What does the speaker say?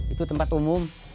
itu tempat umum